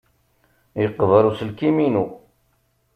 Yeqber uselkim-inu.